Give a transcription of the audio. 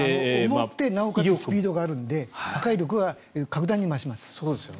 重くてなおかつスピードがあるので破壊力は格段に増します。